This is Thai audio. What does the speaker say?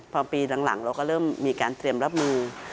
พอปีหลังเราก็เริ่มมีการเตรียมรับมือ